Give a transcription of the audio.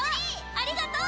ありがとう！